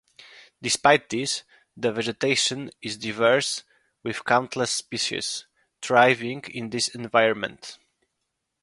Despite this, the vegetation is diverse with countless species thriving in this environment.